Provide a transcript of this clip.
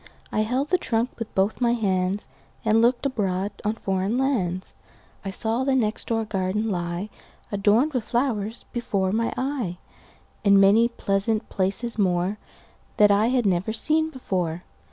I held the trunk with both my handsAnd looked abroad on foreign lands.I saw the next door garden lie, Adorned with flowers, before my eye, And many pleasant places moreThat I had never seen before.